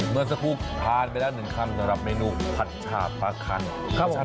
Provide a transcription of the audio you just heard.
เมื่อสักครู่ทานไปแล้ว๑คำสำหรับเมนูผัดฉาบปลาคัน